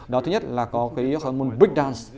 đó thứ nhất là có cái môn big dance